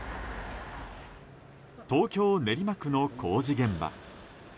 東京・練馬区の工事現場。